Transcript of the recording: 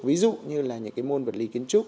ví dụ như là những cái môn vật lý kiến trúc